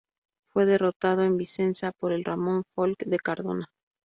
Fue derrotado en Vicenza por el Ramón Folc de Cardona.